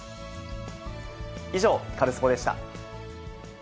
以上、カルスポっ！でした。